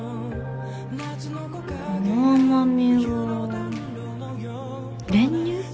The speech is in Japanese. この甘味は練乳？